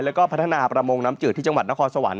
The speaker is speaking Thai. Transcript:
แล้วก็พัฒนาประมงน้ำจืดที่จังหวัดนครสวรรค